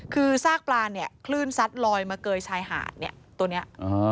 คือซากปลาเนี่ยคลื่นซัดลอยมาเกยชายหาดเนี่ยตัวนี้